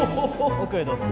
奥へどうぞ。